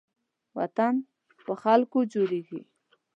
وطن په خلکو جوړېږي